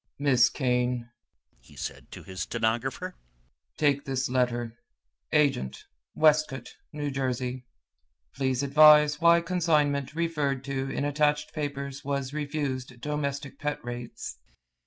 "Miss Kane," he said to his stenographer, "take this letter. 'Agent, Westcote, N. J. Please advise why consignment referred to in attached papers was refused domestic pet rates."'